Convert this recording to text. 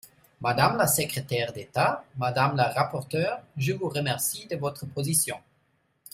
Madame la secrétaire d’État, madame la rapporteure, je vous remercie de votre position.